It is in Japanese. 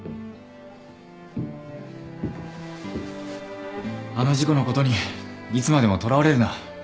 あの事故のことにいつまでもとらわれるな。